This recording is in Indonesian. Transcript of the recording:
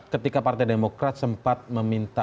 ketika partai demokrat sempat meminta